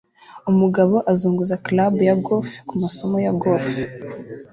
Umugabo azunguza club ya golf kumasomo ya golf